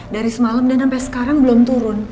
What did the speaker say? dari semalam dan sampai sekarang belum turun